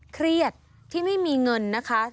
เครียดที่ไม่มีเงินนะคะ